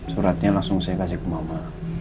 suratnya langsung saya kasih ke mama